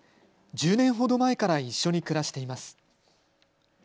１０年ほど前から一緒に暮らしています。